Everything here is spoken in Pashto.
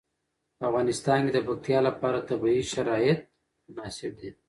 په افغانستان کې د پکتیا لپاره طبیعي شرایط مناسب دي.